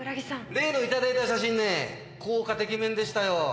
例の頂いた写真ね効果てきめんでしたよ。